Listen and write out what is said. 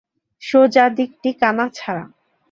সোজা দিকটি কানা ছাড়া।